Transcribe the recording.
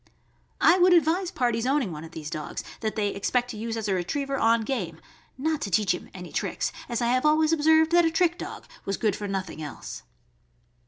I would advise parties owning one of these dogs that they expect to use as a retriever on game, not to teach him any tricks, as I have always observed that a trick dog was good for nothing else.